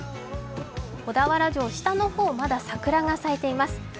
小田原城、下の方、まだ桜が咲いています。